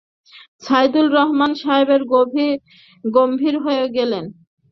সাইদুর রহমান সাহেব গম্ভীর হয়ে গেলেন।